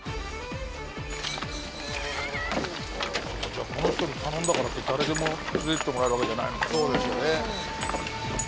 じゃあこの人に頼んだからって誰でも連れてってもらえるわけじゃないのね。